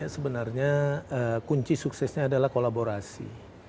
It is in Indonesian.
sebenarnya kunci suksesnya adalah kolaborasi